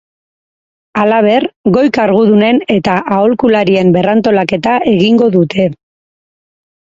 Halaber, goi kargudunen eta aholkularien berrantolaketa egingo dute.